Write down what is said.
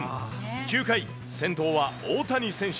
９回、先頭は大谷選手。